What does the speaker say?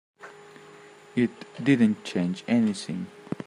It didn't change anything.